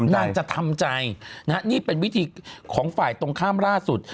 นางจะทำใจนะฮะนี่เป็นวิธีของฝ่ายตรงข้ามล่าสุด